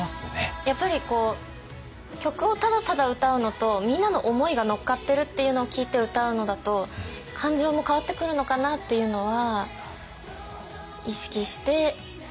やっぱり曲をただただ歌うのとみんなの思いが乗っかってるっていうのを聞いて歌うのだと感情も変わってくるのかなっていうのは意識してやっぱり伝えてました。